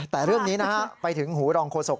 แต่เรื่องนี้นะฮะไปถึงหูรองโฆษก